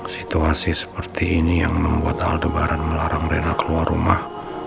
situasi seperti ini yang membuat hal debaran melarang rena keluar rumah